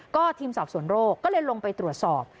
ก็ทีมสอบสวนโรคก็เลยลงไปตรวจสอบ